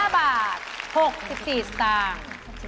๕บาท๖๔สตางค์